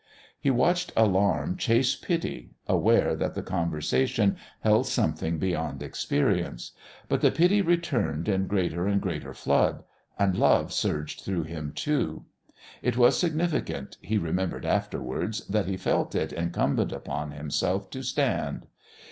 He watched alarm chase pity, aware that the conversation held something beyond experience. But the pity returned in greater and ever greater flood. And love surged through him too. It was significant, he remembered afterwards, that he felt it incumbent upon himself to stand.